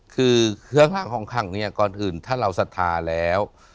คือเครื่องร่างของขังเนี่ยก่อนอื่นถ้าเราศรัทธาแล้ว